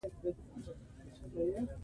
تاسې زما درمان یاست؟